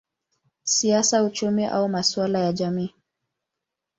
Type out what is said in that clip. siasa, uchumi au masuala ya jamii.